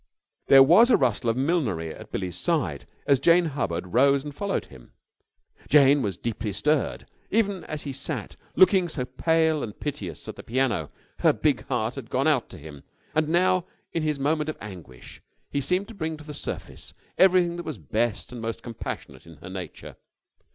There was a rustle of millinery at Billie's side as Jane Hubbard rose and followed him. Jane was deeply stirred. Even as he sat, looking so pale and piteous, at the piano, her big heart had gone out to him, and now, in his moment of anguish, he seemed to bring to the surface everything that was best and most compassionate in her nature.